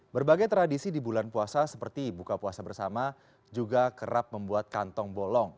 berbagai tradisi di bulan puasa seperti buka puasa bersama juga kerap membuat kantong bolong